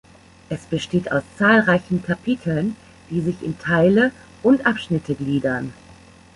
Es besteht aus zahlreichen Kapiteln, die sich in Teile und Abschnitte gliedern.